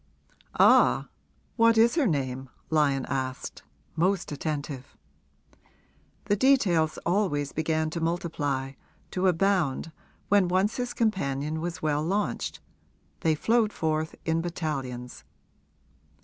'Ah, what is her name?' Lyon asked, most attentive. The details always began to multiply, to abound, when once his companion was well launched they flowed forth in battalions.